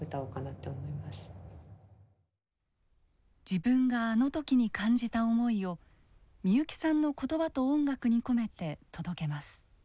自分があの時に感じた思いをみゆきさんの言葉と音楽に込めて届けます。